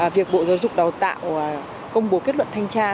việc bộ giáo dục đào tạo công bố kết luận thanh tra